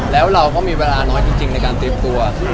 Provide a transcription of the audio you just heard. แล้วเราก็มีเวลาน้อยจริงในการเตรียมตัว